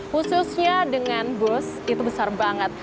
khususnya dengan bus itu besar banget